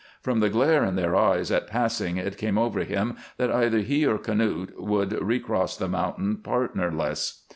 From the glare in their eyes at passing it came over him that either he or Knute would recross the mountains partnerless.